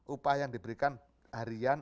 upah yang diberikan harian